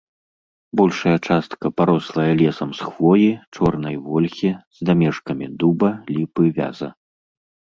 Большая частка парослая лесам з хвоі, чорнай вольхі, з дамешкамі дуба, ліпы, вяза.